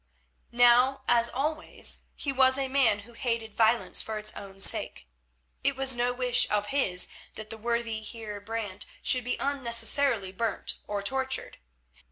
Now, as always, he was a man who hated violence for its own sake. It was no wish of his that the worthy Heer Brant should be unnecessarily burnt or tortured.